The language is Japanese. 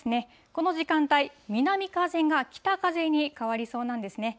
この時間帯、南風が北風に変わりそうなんですね。